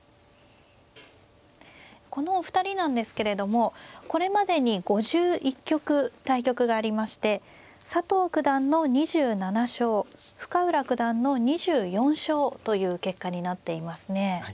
このお二人なんですけれどもこれまでに５１局対局がありまして佐藤九段の２７勝深浦九段の２４勝という結果になっていますね。